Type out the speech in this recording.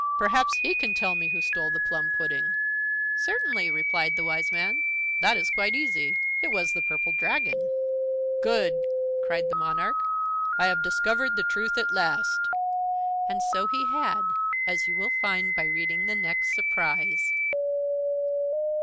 Perhaps he can tell me who stole the plum pudding." "Certainly," replied the Wise Man. "That is quite easy. It was the Purple Dragon." "Good," cried the monarch; "I have discovered the truth at last!" And so he had, as you will find by reading the next surprise.